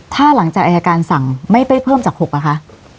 ถ้าหลังจากอายการสั่งไม่ได้เพิ่มจาก๖อ่ะคะ